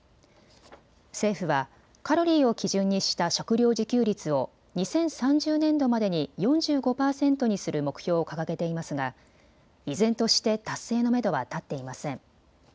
政府はカロリーを基準にした食料自給率を２０３０年度までに４５％にする目標を掲げていますが、依然として達成のめどは立っていません。